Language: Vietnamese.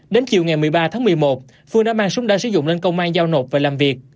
đến chiều ngày một mươi ba tháng một mươi một phương đã mang súng đa sử dụng lên công an giao nộp và làm việc